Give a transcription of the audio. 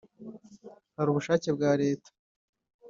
hari ubushake bwa leta